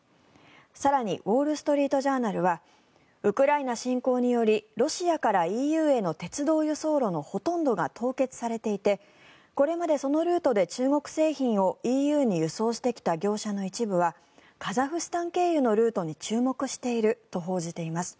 更に、ウォール・ストリート・ジャーナルはウクライナ侵攻によりロシアからＥＵへの鉄道輸送路のほとんどが凍結されていてこれまでそのルートで中国製品をＥＵに輸送してきた業者の一部はカザフスタン経由のルートに注目していると報じています。